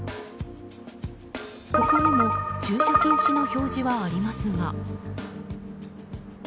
ここにも駐車禁止の表示はありますが。